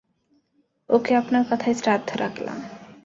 ওকে, আপনার কথায় শ্রদ্ধা রাখলাম।